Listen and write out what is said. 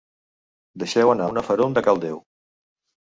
Deixeu anar una ferum de cal déu.